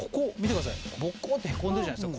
ボコッてへこんでるじゃないですか。